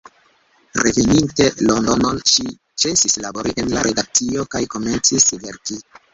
Reveninte Londonon, ŝi ĉesis labori en la redakcio kaj komencis verki.